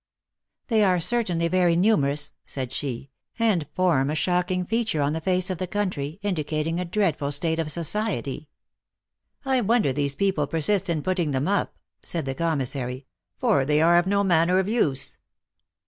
"They are certainly very numerous," said she, "and form a shocking feature on the face of the country, in dicating a dreadful state of society." " I wonder these people persist in putting them up," said the commissary, " for they are of no manner of use."